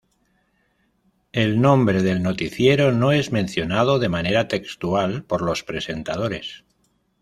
El nombre del noticiero no es mencionado de manera textual por los presentadores.